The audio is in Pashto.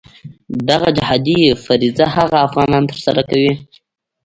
دغه جهادي فریضه هغه افغانان ترسره کوي.